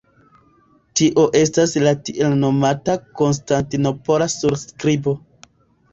Tio estas la tielnomata Konstantinopola surskribo.